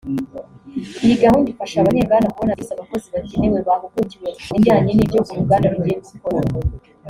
Iyi gahunda ifasha abanyenganda kubona byihuse abakozi bakeneye bahugukiwe mu bijyanye n’ibyo uruganda rugiye gukora